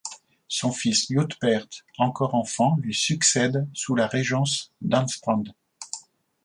Son fils Liutpert encore enfant lui succède sous la régence d'Ansprand.